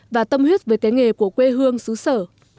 và tâm huyết với cái nghề của quê hương xứ sở